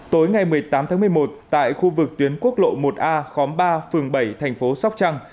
tối ngày một mươi tám tháng một mươi một tại khu vực tuyến quốc lộ một a khóm ba phường bảy thành phố sóc trăng